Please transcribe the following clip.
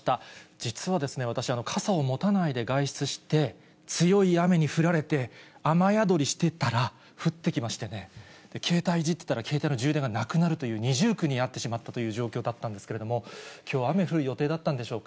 実はですね、私、傘を持たないで外出して、強い雨に降られて、雨宿りしてたら降ってきまして、携帯いじってたら、携帯の充電がなくなるという、二重苦に遭ってしまったという状況だったんですけども、きょうは雨降る予定だったんでしょうか。